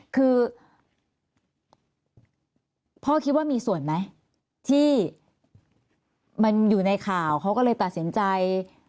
คือพ่อคิดว่ามีส่วนไหมที่มันอยู่ในข่าวเขาก็เลยตัดสินใจ